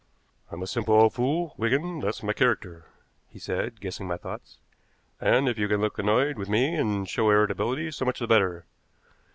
"I'm a simple old fool, Wigan, that's my character," he said, guessing my thoughts; "and, if you can look annoyed with me and show irritability, so much the better.